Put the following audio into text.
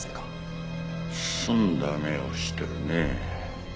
澄んだ目をしてるね。